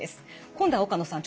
今度は岡野さん